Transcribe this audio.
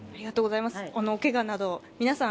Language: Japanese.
おけがなど、皆さん